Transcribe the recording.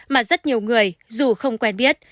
mà rất nhiều người dù không quen biết